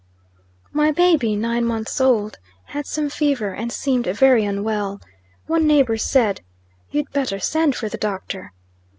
MY baby, nine months old, had some fever, and seemed very unwell. One neighbor said: "You'd better send for the doctor."